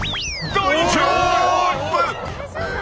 大丈夫？